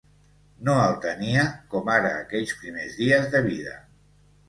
No el tenia com ara aquells primers dies de vida.